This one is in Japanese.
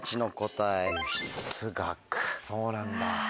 そうなんだ。